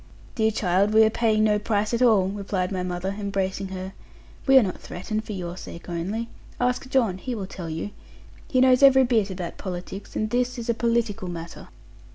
'Dear child, we are paying no price at all,' replied my mother, embracing her; 'we are not threatened for your sake only. Ask John, he will tell you. He knows every bit about politics, and this is a political matter.'